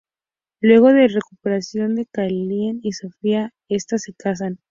Luego de la recuperación de Callie y Sofía estás se casan.